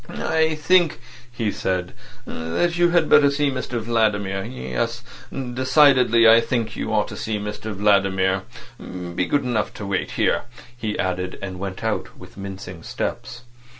"I think," he said, "that you had better see Mr Vladimir. Yes, decidedly I think you ought to see Mr Vladimir. Be good enough to wait here," he added, and went out with mincing steps.